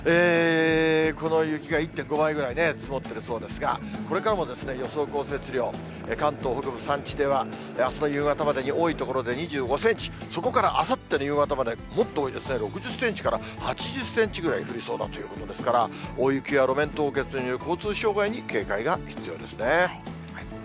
この雪が１．５倍ぐらい積もってるそうですが、これからも予想降雪量、関東北部山地では、あすの夕方までに多い所で２５センチ、そこからあさっての夕方まで、もっと多いですね、６０センチから８０センチぐらい降りそうだということですから、大雪や路面凍結による交通障害に警戒が必要ですね。